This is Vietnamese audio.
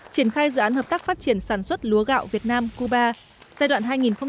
triển khai dự án hợp tác phát triển sản xuất lúa gạo việt nam cuba giai đoạn hai nghìn một mươi sáu hai nghìn hai mươi